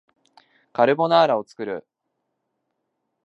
カルボナーラを作る